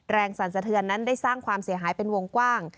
สั่นสะเทือนนั้นได้สร้างความเสียหายเป็นวงกว้าง